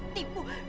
dia itu tukang tipu